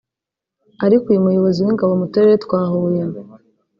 ariko uyu muyobozi w’ingabo mu Turere twa Huye